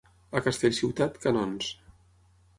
A Castellciutat, canons.